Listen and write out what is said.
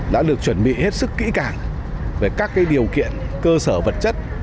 đã được chuẩn bị hết sức kỹ cảng về các cái điều kiện cơ sở vật chất